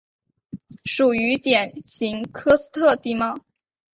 属于典型喀斯特地貌。